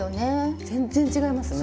全然違いますね。